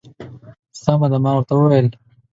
سمه ده. ما ورته وویل.